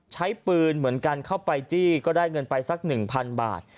ใช้ปืนเหมือนกันเข้าไปจี้ก็ได้เงินไปสักหนึ่งพันบาท